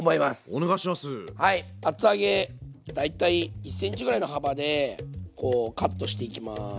厚揚げ大体１ｃｍぐらいの幅でこうカットしていきます。